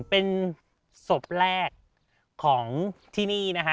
เป็นศพแรกของที่นี่นะฮะ